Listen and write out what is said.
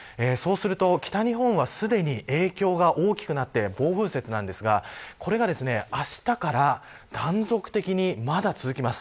北日本はすでに影響が大きくなって、暴風雪なんですがこれが、あしたから断続的に、まだ続きます。